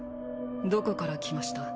どこから来ました？